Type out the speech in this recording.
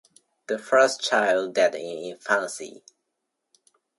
The first child died in infancy.